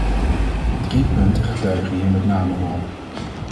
Drie punten getuigen hier met name van.